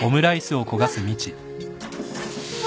うわ。